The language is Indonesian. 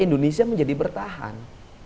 indonesia menjadi bertahan